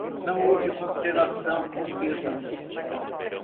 Não houve consternação ou pêsames